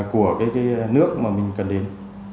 của cái nước mà mình cần đến